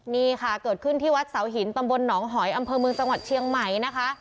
นี่ค่ะเกิดขึ้นที่วัดเสาหินตำบลหนองหอยอำเภอเมืองจังหวัดเชียงใหม่นะคะ